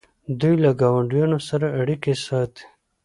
دوی له ګاونډیانو سره اړیکې ساتي.